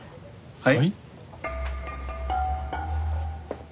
はい？